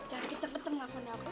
jangan kita pencet mengakuinnya